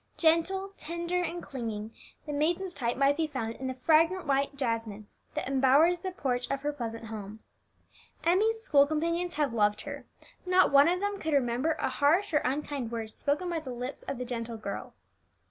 Gentle, tender, and clinging, the maiden's type might be found in the fragrant white jasmine that embowers the porch of her pleasant home. Emmie's school companions have loved her; not one of them could remember a harsh or unkind word spoken by the lips of the gentle girl.